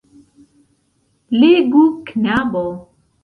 Legu, knabo.